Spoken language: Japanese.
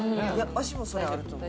わしもそれあると思う。